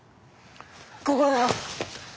ここだよ！